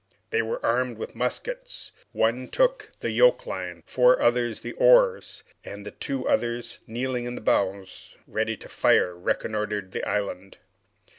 They were armed with muskets; one took the yoke lines, four others the oars, and the two others, kneeling in the bows, ready to fire, reconnoitered the island.